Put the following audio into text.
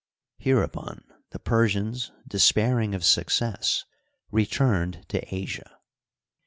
Hereupon the Persians, despairing of success, returned to Asia.